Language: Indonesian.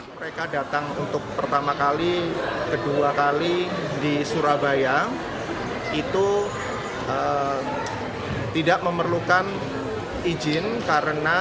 mereka datang untuk pertama kali kedua kali di surabaya